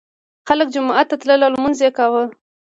خلک جومات ته تلل او لمونځ یې کاوه.